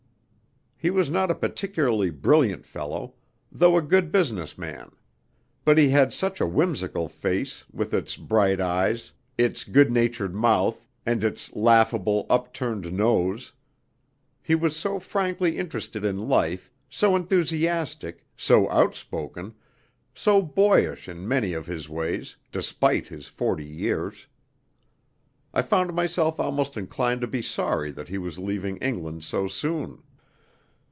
He was not a particularly brilliant fellow, though a good business man; but he had such a whimsical face, with its bright eyes, its good natured mouth, and its laughable, upturned nose! He was so frankly interested in life, so enthusiastic, so outspoken, so boyish in many of his ways, despite his forty years! I found myself almost inclined to be sorry that he was leaving England so soon.